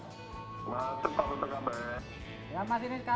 di informasikan dari osc simanggarai